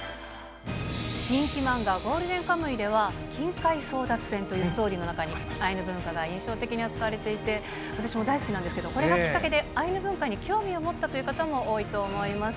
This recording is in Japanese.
人気漫画、ゴールデンカムイでは、金塊争奪戦というストーリーの中に、アイヌ文化が印象的に扱われていて、私も大好きなんですけど、これがきっかけでアイヌ文化に興味を持ったという方も多いと思います。